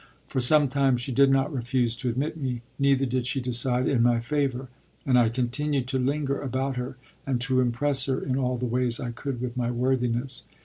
For some time she did not refuse to admit me, neither did she decide in my favor, and I continued to linger about her, and to impress her in all the ways I could with my worthiness.